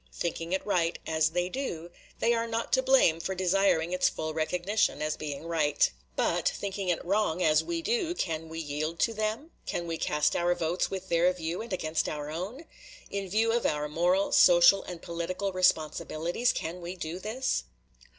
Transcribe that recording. Thinking it right, as they do, they are not to blame for desiring its full recognition, as being right; but thinking it wrong, as we do, can we yield to them? Can we cast our votes with their view and against our own! In view of our moral, social, and political responsibilities, can we do this?